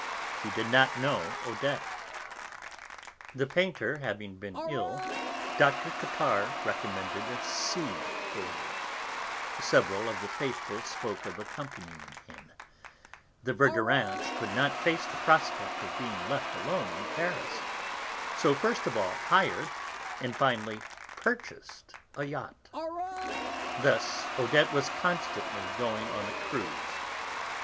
She did not know Odette. The painter having been ill, Dr. Cottard recommended a sea voyage; several of the 'faithful' spoke of accompanying him; the Verdurins could not face the prospect of being left alone in Paris, so first of all hired, and finally purchased a yacht; thus Odette was constantly going on a cruise.